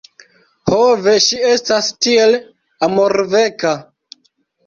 Ho ve! Ŝi estas tiel amorveka!!!